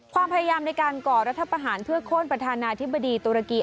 ความพยายามในการก่อรัฐประหารเพื่อโค้นประธานาธิบดีตุรกี